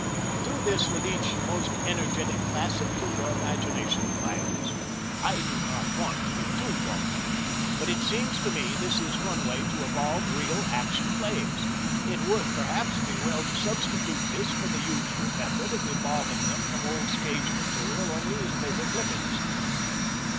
Do this with each most energetic classic till your imagination flags. I do not want to be too dogmatic, but it seems to me this is one way to evolve real Action Plays. It would, perhaps, be well to substitute this for the usual method of evolving them from old stage material or newspaper clippings.